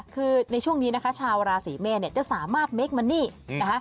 คือในช่วงนี้นะคะชาวราศีเมษเนี่ยจะสามารถเมคมันนี่นะคะ